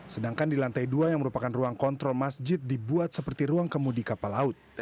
sedangkan di lantai dua yang merupakan ruang kontrol masjid dibuat seperti ruang kemudi kapal laut